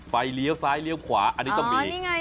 เลี้ยวซ้ายเลี้ยวขวาอันนี้ต้องมี